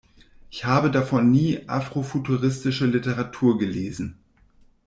Ich habe davor nie afrofuturistische Literatur gelesen.